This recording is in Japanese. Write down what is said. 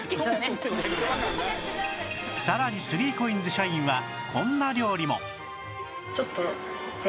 さらに ３ＣＯＩＮＳ 社員はこんな料理も